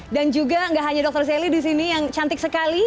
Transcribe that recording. juga nggak hanya dr sally di sini yang cantik sekali